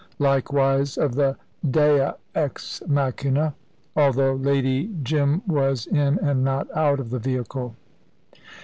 Likewise of the "Dea ex machina," although Lady Jim was in and not out of the vehicle.